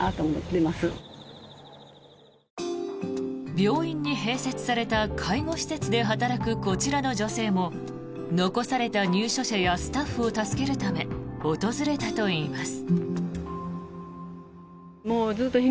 病院に併設された介護施設で働くこちらの女性も残された入所者やスタッフを助けるため訪れたといいます。